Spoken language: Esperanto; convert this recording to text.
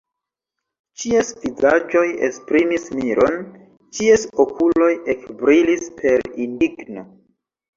Ĉies vizaĝoj esprimis miron, ĉies okuloj ekbrilis per indigno.